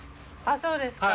あっそうですか。